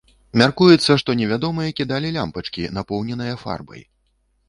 Мяркуецца, што невядомыя кідалі лямпачкі, напоўненыя фарбай.